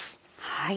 はい。